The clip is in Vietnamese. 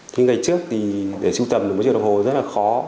nhưng ngày trước thì để sưu tầm được một chiếc đồng hồ rất là khó